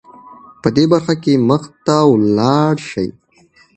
په دې برخه کې مخته ولاړه شې .